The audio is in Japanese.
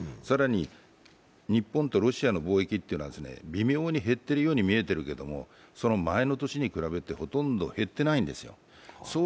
更に、日本とロシアの貿易というのは微妙に減っているように見えるけども、その前の年に比べてほとんど減ってないんですよ。